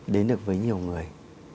đến được với nhiều người